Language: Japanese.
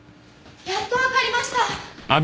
やっとわかりました！